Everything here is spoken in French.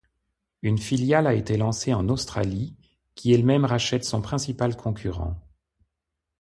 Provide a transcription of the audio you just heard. Une filiale a été lancée en Australie, qui elle-même rachète son principal concurrent.